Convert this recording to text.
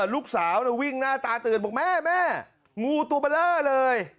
ลูกสาววิ่งหน้าตาตื่นบอกแม่แม่งูตัวเบลอเลย